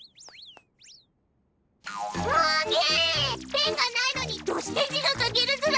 ペンがないのにどうして字が書けるズラ！？